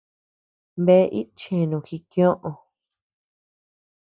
Bea itcheanu jikioʼö.